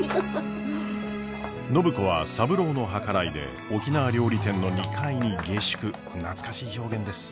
暢子は三郎の計らいで沖縄料理店の２階に下宿懐かしい表現です。